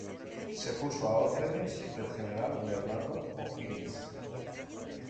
Se puso a órdenes del general Bernardo O'Higgins.